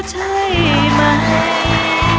ใช่ไหม